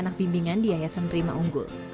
anak bimbingan di yayasan prima unggul